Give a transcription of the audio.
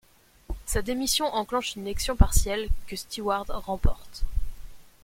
Sa démission enclenche une élection partielle, que Steward remporte.